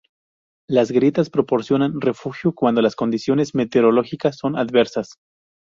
Las grietas proporcionan refugio cuando las condiciones meteorológicas son adversas.